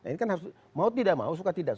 ini kan harus mau tidak mau suka tidak